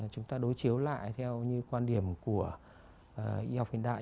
chúng ta đối chiếu lại theo như quan điểm của y học hiện đại